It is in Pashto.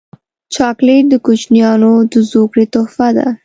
چاکلېټ د کوچنیانو د زوکړې تحفه ده.